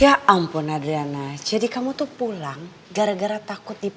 ya ampun adriana jadi kamu tuh pulang gara gara takut dipaksa ikut ke kantor